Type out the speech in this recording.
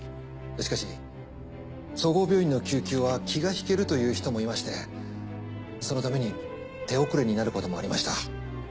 しかし総合病院の救急は気が引けるという人もいましてそのために手遅れになることもありました。